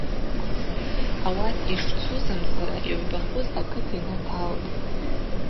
Ауат йшцузымцара йгӏвбахуз акыт йнаталтӏ.